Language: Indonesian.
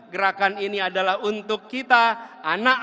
gerakan ini adalah untuk kita anak anak